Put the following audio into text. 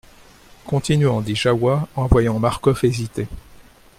Continuons, dit Jahoua en voyant Marcof hésiter.